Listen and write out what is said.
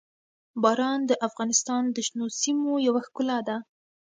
باران د افغانستان د شنو سیمو یوه ښکلا ده.